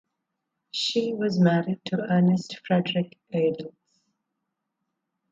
She was married to Ernest Frederick Eidlitz.